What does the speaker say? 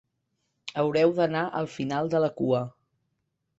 Haureu d'anar al final de la cua.